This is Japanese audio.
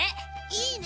いいね。